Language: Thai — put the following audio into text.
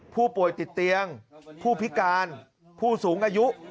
ผู้ป่วยติดเตียงผู้พิการผู้สูงอายุ